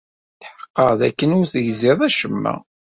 Ttḥeqqeɣ dakken ur tegziḍ acemma.